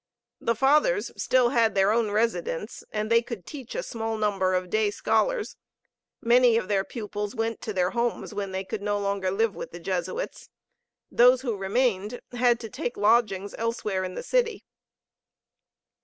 The Fathers still had their own residence, and they could teach a small number of day scholars. Many of their pupils went to their homes when they could no longer live with the Jesuits. Those who remained had to take lodgings elsewhere in the city.